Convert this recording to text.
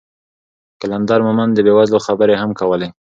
قلندر مومند د بې وزلو خبرې هم کولې.